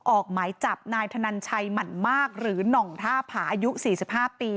ออกหมายจับนายธนันชัยหมั่นมากหรือหน่องท่าผาอายุ๔๕ปี